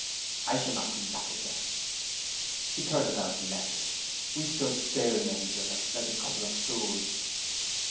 I shall not come back again.' He turned about, and left us. We stood staring at each other like a couple of fools.